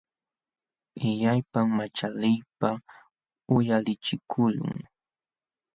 Illpam manchaliypaq uyalichikuqlun.